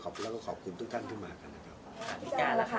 ก็โอเคนะครับเมื่อวานจะตื่นเต้นกว่าวันนี้